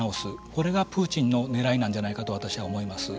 これがプーチンのねらいなんじゃないかと私は思います。